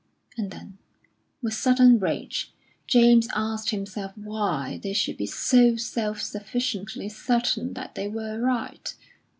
And then, with sudden rage, James asked himself why they should be so self sufficiently certain that they were right.